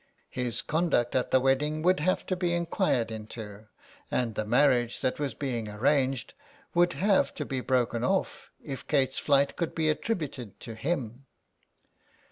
His con 89 SOME PARISHIONERS. duct at the wedding would have to be inquired into and the marriage that was being arranged would have, to be broken off if Kate's flight could be attributed to him.